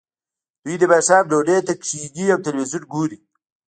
دوی د ماښام ډوډۍ ته کیښني او تلویزیون ګوري